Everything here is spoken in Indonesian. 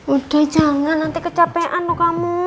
udah jangan nanti kecapean loh kamu